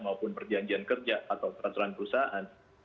maupun perjanjian kerja atau peraturan perusahaan